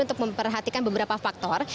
untuk memperhatikan beberapa faktor